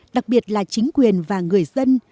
đặc biệt là chính quyền và người dân